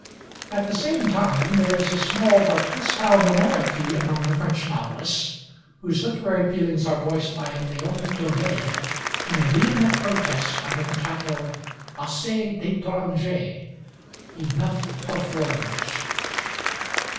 At the same time there is a small but hostile minority among the French novelists, whose literary feelings are voiced by Léon Daudet in a vehement protest under the title 'Assez d'Étrangers' (Enough of Foreigners).